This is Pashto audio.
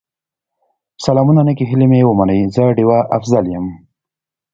سلامونه نیکې هیلې مې ومنئ، زه ډيوه افضل یم